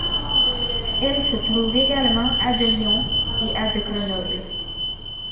Elle se trouve également à de Lyon et à de Grenoble.